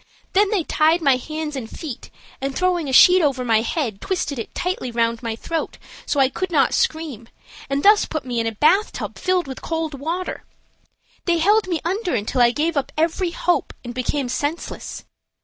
Then they tied my hands and feet, and, throwing a sheet over my head, twisted it tightly around my throat, so I could not scream, and thus put me in a bathtub filled with cold water. They held me under until I gave up every hope and became senseless.